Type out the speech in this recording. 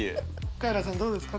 カエラさんどうですか？